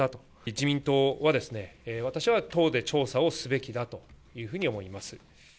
自民党は私は党で調査をすべきだというふうに思います。